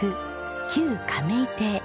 旧亀井邸。